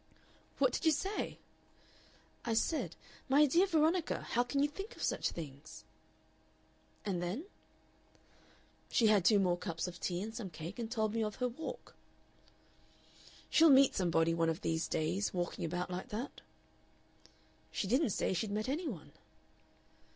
"What did you say?" "I said, 'My dear Veronica! how can you think of such things?'" "And then?" "She had two more cups of tea and some cake, and told me of her walk." "She'll meet somebody one of these days walking about like that." "She didn't say she'd met any one."